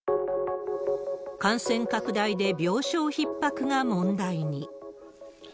感染拡大で病床ひっ迫が問題に。